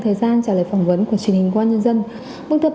hơn sáu mươi triệu đồng